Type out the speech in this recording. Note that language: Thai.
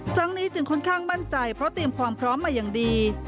ครั้งนี้จึงค่อนข้างมั่นใจเพราะเตรียมความพร้อมมาอย่างดี